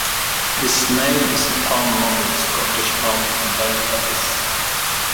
His name is a pun on the Scottish mountain Ben Nevis.